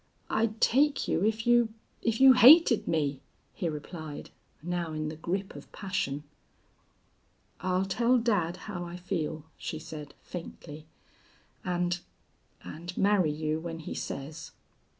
I'd take you if you if you hated me," he replied, now in the grip of passion. "I'll tell dad how I feel," she said, faintly, "and and marry you when he says."